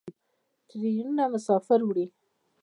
ټرینونه مسافر وړي.